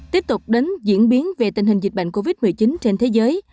tiếp tục đến diễn biến về tình hình dịch bệnh covid một mươi chín trên thế giới